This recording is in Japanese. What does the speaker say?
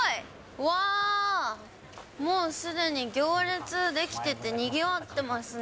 うわー、もうすでに行列出来てて、にぎわってますね。